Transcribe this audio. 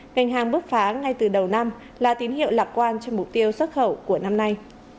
ngành hàng bước phá ngay từ đầu năm là tín hiệu lạc quan cho mục tiêu xuất khẩu của năm nay